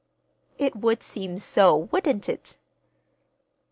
"It would seem so, wouldn't it?"